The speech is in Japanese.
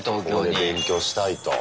ここで勉強したいと。